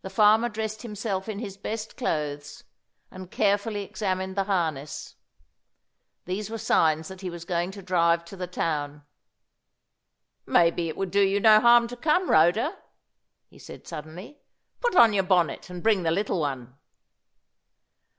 The farmer dressed himself in his best clothes, and carefully examined the harness. These were signs that he was going to drive to the town. "Maybe it would do you no harm to come, Rhoda," he said, suddenly. "Put on your bonnet, and bring the little one."